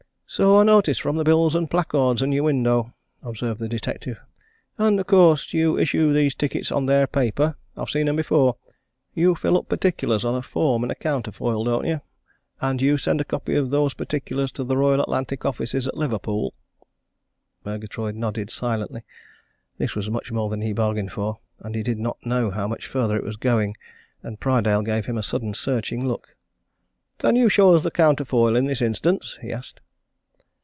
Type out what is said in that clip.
"So I noticed from the bills and placards in your window," observed the detective. "And of course you issue these tickets on their paper I've seen 'em before. You fill up particulars on a form and a counterfoil, don't you? And you send a copy of those particulars to the Royal Atlantic offices at Liverpool?" Murgatroyd nodded silently this was much more than he bargained for, and he did not know how much further it was going. And Prydale gave him a sudden searching look. "Can you show us the counterfoil in this instance?" he asked.